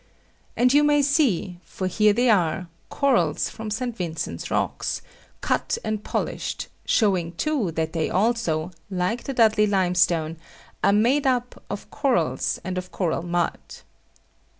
And you may see, for here they are, corals from St. Vincent's Rocks, cut and polished, showing too that they also, like the Dudley limestone, are made up of corals and of coral mud.